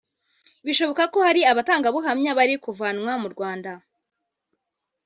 bishoboka ko ari abatangabuhamya […] bari kuvanwa mu Rwanda